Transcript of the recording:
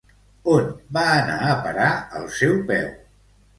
On va anar a parar el seu peu?